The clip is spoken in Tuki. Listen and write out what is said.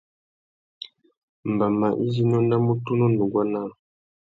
Mbama izí i nônamú tunu nuguá naā.